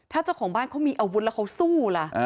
ถ้าเจ้าของบ้านเขามีอาวุธแล้วเขาสู้ล่ะ